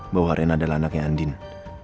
bahwa rena adalah anaknya andi ini